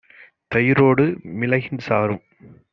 தயிரொடு மிளகின் சாறும்